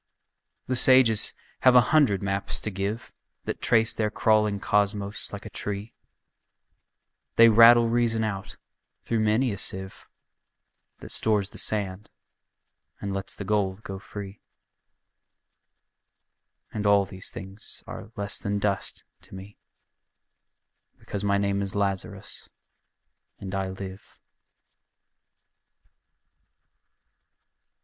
The sages have a hundred maps to give That trace their crawling cosmos like a tree, They rattle reason out through many a sieve That stores the sand and lets the gold go free: And all these things are less than dust to me Because my name is Lazarus and I live.